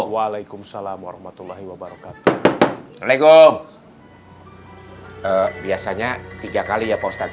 waalaikumsalam warahmatullahi wabarakatuh biasanya tiga kali ya pak ustadz